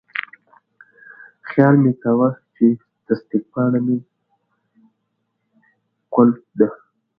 خیال مې کاوه چې تصدیق پاڼه مې کلپه ده.